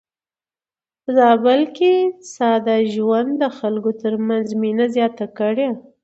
په زابل کې ساده ژوند د خلکو ترمنځ مينه زياته کړې.